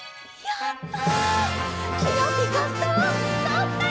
やった！